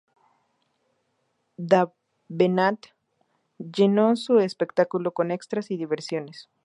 Davenant llenó su espectáculo con extras y diversiones.